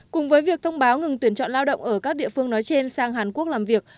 cùng với việc thông báo ngừng tuyển chọn lao động ở các địa phương nói trên sang hàn quốc làm việc